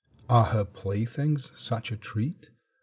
Are her playthings such a treat?